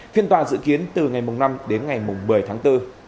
phiên tòa dự kiến từ ngày năm đến ngày một mươi tháng bốn